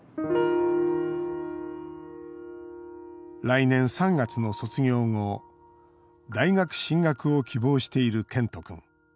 来年３月の卒業後大学進学を希望している健人君。